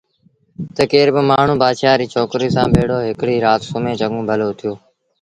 تا ڪير با مآڻهوٚٚݩ بآتشآ ريٚ ڇوڪريٚ سآݩ ڀيڙو هڪڙيٚ رآت سُمهي چڱون ڀلو اُٿيٚو